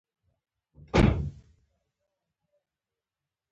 خوړل د پسرلي تازه والی حسوي